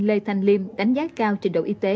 lê thanh liêm đánh giá cao trình độ y tế